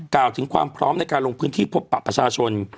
กล่าวถึงความพร้อมในการลงพื้นที่พบปะประชาชน